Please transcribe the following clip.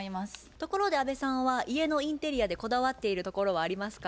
ところで安部さんは家のインテリアでこだわっているところはありますか？